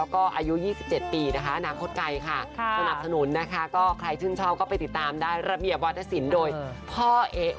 คู่ยกก็ต้องเข้าใจกันเพราะว่าผมก็มีง่าซึมือ